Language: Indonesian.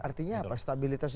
artinya apa stabilitas itu